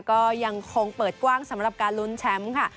ก็ยังคงเปิดกว้างสำหรับการลุ้นแชมป์ค่ะ